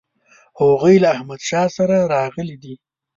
هغوی له احمدشاه سره راغلي دي.